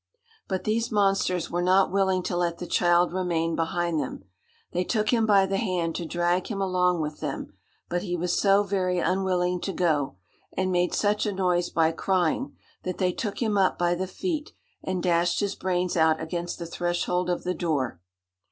"But these monsters were not willing to let the child remain behind them; they took him by the hand to drag him along with them, but he was so very unwilling to go, and made such a noise by crying, that they took him up by the feet, and dashed his brains out against the threshold of the door.